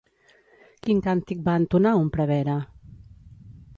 Quin càntic va entonar un prevere?